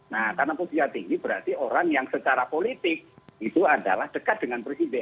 nah karena posisinya tinggi berarti orang yang secara politik itu adalah dekat dengan presiden